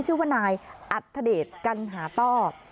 ชื่อว่านายอัธเดชกันหาต้อ